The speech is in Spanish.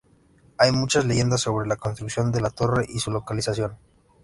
Hay muchas leyendas sobre la construcción de la torre y su localización.